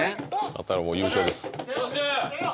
勝ったらもう優勝です